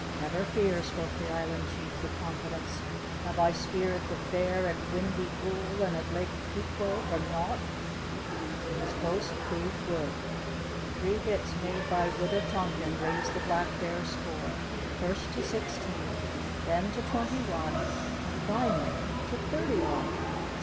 "Never fear!" spoke the Island Chief with confidence. "Have I speared the Bear at Wyndy goul and at Lake Peequo for naught?" And his boast proved good! The three hits made by Wita tonkan raised the Black Bear score, first to sixteen, then to twenty one and finally to thirty one.